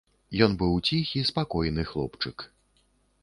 Ён быў ціхі, спакойны хлопчык.